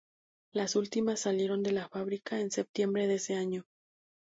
Las últimas salieron de la fábrica en septiembre de ese año.